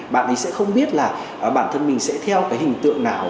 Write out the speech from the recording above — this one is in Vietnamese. bạn ấy sẽ không biết là bản thân mình sẽ theo cái hình tượng nào